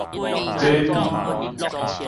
禮記